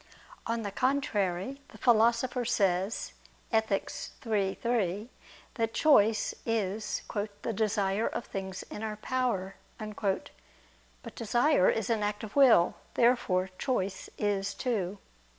On the contrary, The Philosopher says (Ethic. iii, 3) that choice is "the desire of things in our power." But desire is an act of will. Therefore choice is too.